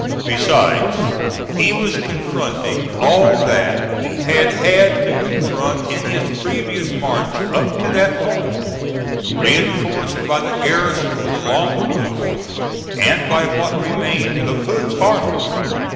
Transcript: Besides, he was confronting all that he had had to confront in his previous march up to that point, reinforced by the garrisons along the road and by what remained of Hood's army.